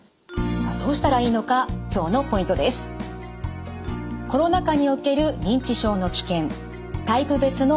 どうしたらいいのか今日のポイントです。